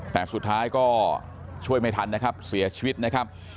แต่สุดท้ายก็ช่วยไม่ทันนะครับเสียชีวิตนะครับ